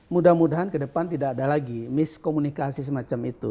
mudah mudahan ke depan tidak ada lagi miskomunikasi semacam itu